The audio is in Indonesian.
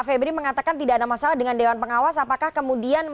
sebaiknya ada tandaan yang bersangkutan